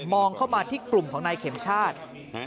เข้ามาที่กลุ่มของนายเข็มชาติ